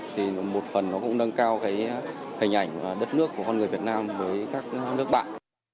thì một phần nó cũng nâng cao cái hình ảnh đất nước của con người việt nam với các nước bạn